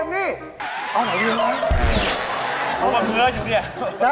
เอาหน่อยดีกว่า